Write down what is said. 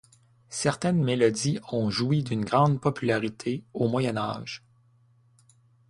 Certaines mélodies ont joui d'une grande popularité au Moyen-Âge.